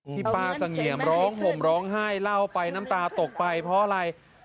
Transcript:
ป้าเสงี่ยมร้องห่มร้องไห้เล่าไปน้ำตาตกไปเพราะอะไร